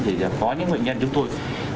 thì có những nguyên nhân chúng tôi